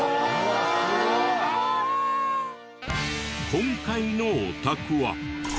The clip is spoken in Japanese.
今回のお宅は。